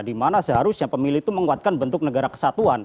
dimana seharusnya pemilih itu menguatkan bentuk negara kesatuan